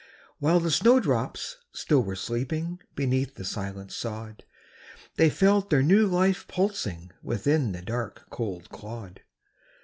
While the snow drops still were sleeping Beneath the silent sod; They felt their new life pulsing Within the dark, cold clod.